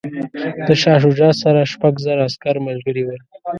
د شاه شجاع سره شپږ زره عسکر ملګري ول.